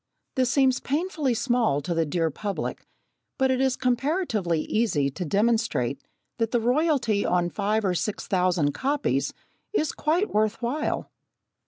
This seems painfully small to the dear public, but it is comparatively easy to demonstrate that the royalty on five or six thousand copies is quite worth while.